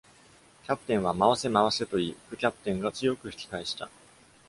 キャプテンは「回せ、回せ」と言い、副キャプテンが強く引き返した。